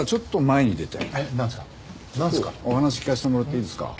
お話聞かせてもらっていいですか？